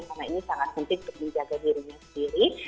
karena ini sangat penting untuk menjaga dirinya sendiri